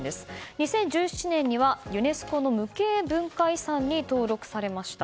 ２０１７年にはユネスコの無形文化遺産に登録されました。